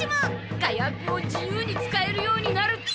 火薬を自由に使えるようになるって。